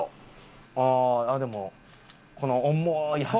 ああでもこの重い箸。